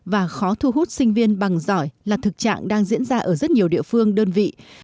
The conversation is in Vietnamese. và khó thu hút sinh viên bằng giỏi là thực trạng đang diễn ra ở rất nhiều địa phương đơn vị